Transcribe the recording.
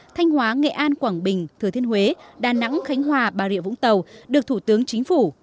thanh hóa nghệ an quảng bình thừa thiên huế đà nẵng khánh hòa bà rịa vũng tàu được thủ tướng chính phủ